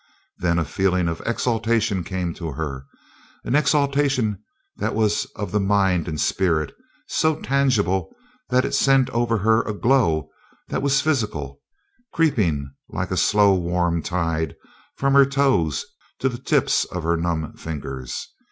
Then a feeling of exultation came to her an exultation that was of the mind and spirit, so tangible that it sent over her a glow that was physical, creeping like a slow warm tide from her toes to the tips of her numb fingers.